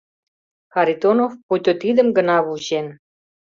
Харитонов, пуйто тидым гына вучен.